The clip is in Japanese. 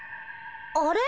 あれ？